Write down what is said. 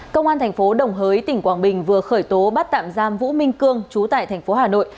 công an thành phố đồng hới tỉnh quảng bình vừa khởi tố bắt tạm giam vũ minh cương chú tại thành phố hà nội